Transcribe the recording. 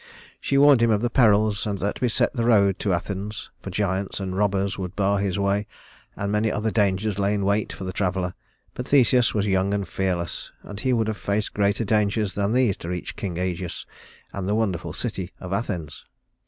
She warned him of the perils that beset the road to Athens, for giants and robbers would bar his way, and many other dangers lay in wait for the traveler; but Theseus was young and fearless, and he would have faced greater dangers than these to reach King Ægeus and the wonderful city of Athens.